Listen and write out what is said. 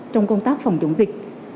trong công tác phòng chống dịch